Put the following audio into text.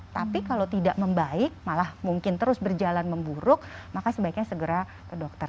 tapi kalau tidak membaik malah mungkin terus berjalan memburuk maka sebaiknya segera ke dokter